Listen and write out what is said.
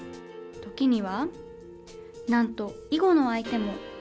時には、なんと囲碁の相手も。